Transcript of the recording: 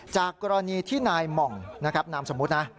จากกรณีที่นายหม่องนะครับนามสมมุตินะ